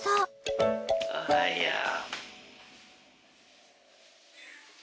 おはよう。